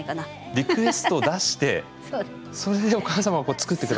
リクエストを出してそれでお母様が作って下さる。